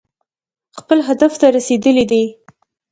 خپل هدف ته رسېدلي دي.